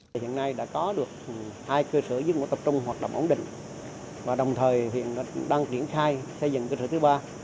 hiện nay đã có được hai cơ sở giết mổ tập trung hoạt động ổn định và đồng thời hiện đang triển khai xây dựng cơ sở thứ ba